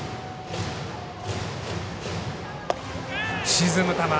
沈む球。